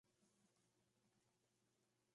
Por otra parte, solo hay tres átomos externos.